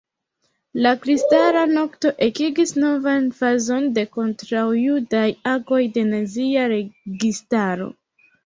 La Kristala nokto ekigis novan fazon de kontraŭjudaj agoj de nazia registaro.